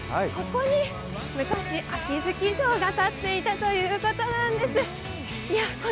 ここに昔、秋月城が建っていたということなんです。